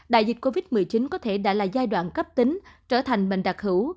đại dịch covid một mươi chín có thể đã là giai đoạn cấp tính trở thành bệnh đặc hữu